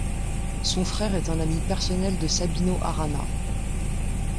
Son frère est un ami personnel de Sabino Arana.